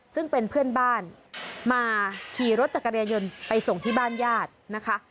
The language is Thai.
ซึ่งเป็นเพื่อนบ้านมาขี่รถจักรยายนต์ไปส่งที่บ้านญาตินะคะ